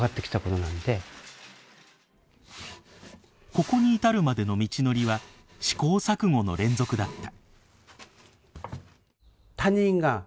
ここに至るまでの道のりは試行錯誤の連続だった。